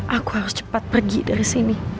aku harus cepat pergi dari sini